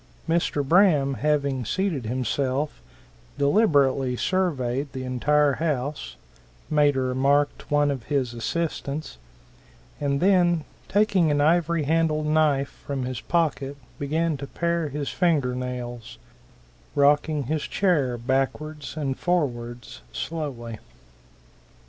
Mr. Braham having seated himself, deliberately surveyed the entire house, made a remark to one of his assistants, and then taking an ivory handled knife from his pocket began to pare his finger nails, rocking his chair backwards and forwards slowly.